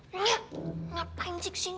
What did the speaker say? lora ngapain cek sini